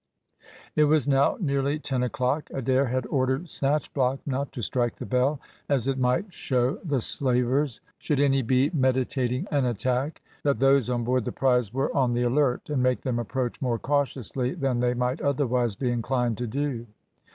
It was now nearly ten o'clock. Adair had ordered Snatchblock not to strike the bell, as it might show the slavers, should any be meditating an attack, that those on board the prize were on the alert, and make them approach more cautiously than they might otherwise be inclined to do.